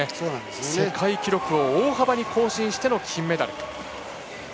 世界記録を大幅に更新しての金メダル。